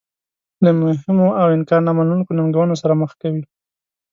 له مهمو او انکار نه منونکو ننګونو سره مخ کوي.